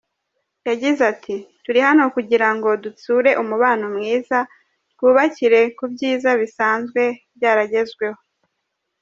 Yagize ati: “Turi hano kugira ngo dutsure umubano mwiza, twubakire ku byiza bisanzwe byaragezweho.